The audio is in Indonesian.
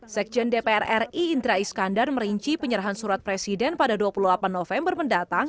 sekjen dpr ri indra iskandar merinci penyerahan surat presiden pada dua puluh delapan november mendatang